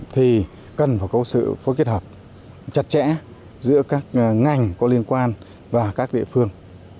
thì cần phải có sự phối kết hợp chặt chẽ giữa các ngành có liên quan và các địa phương